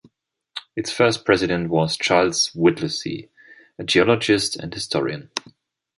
Its first president was Charles Whittlesey, "a geologist and historian".